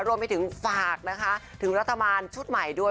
รวมไปถึงฝากนะคะถึงรัฐบาลชุดใหม่ด้วย